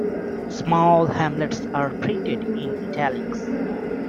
Small hamlets are printed "in italics".